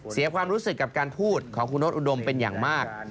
เสียความรู้สึกกับการพูดของคุณโน๊ตอุดมเป็นอย่างมาก